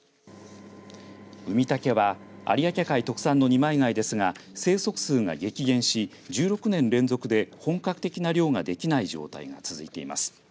ウミタケは有明海特産の二枚貝ですが生息数が激減し、１６年連続で本格的な漁ができない状態が続いています。